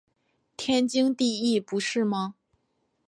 天经地义不是吗？